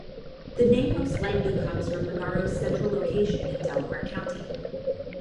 The name most likely comes from the borough's central location in Delaware County.